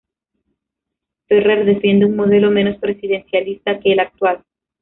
Ferrer defiende un modelo menos presidencialista que el actual.